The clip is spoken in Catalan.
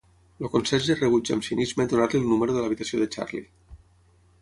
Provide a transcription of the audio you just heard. El conserge rebutja amb cinisme donar-li el número de l'habitació de Charlie.